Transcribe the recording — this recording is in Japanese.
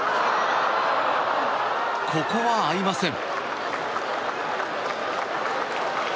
ここは合いません。